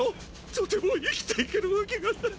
とても生きていけるわけがない！！